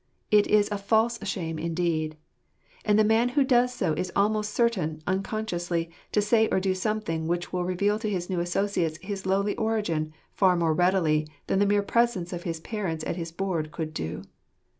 It is a false shame indeed! And the man who does so is almost certain, unconsciously, to say or do something which will reveal to his new associates his lowly origin far more readily than the mere presence of his parents at his board could do.